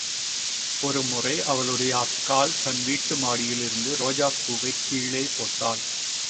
ஒருமுறை அவளுடைய அக்காள் தன்வீட்டு மாடியிலிருந்து ரோஜாப் பூவைக் கீழே போட்டாள்.